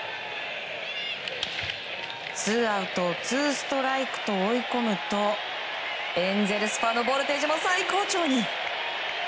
ツーアウトツーストライクと追い込むとエンゼルスファンのボルテージも最高潮に。